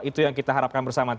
itu yang kita harapkan bersama